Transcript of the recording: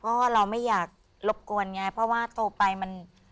เพราะว่าเราไม่อยากรบกวนไงเพราะว่าโตไปมัน